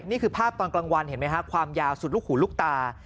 นี่คือภาพตอนกลางวันเห็นไหมฮะความยาวสุดลูกหูลูกตา